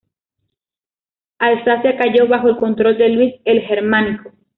Alsacia cayó bajo el control de Luis el Germánico.